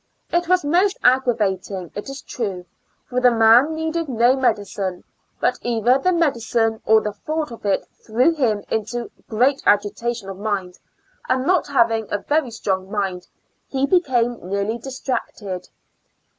It was most aggravating it is true, for the man needed no medicine, but either the medicine or the thought of it threw him into great agitation of mind, and not having a very strong mind he became nearly distracted.